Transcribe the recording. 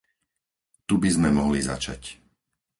Tu by sme mohli začať.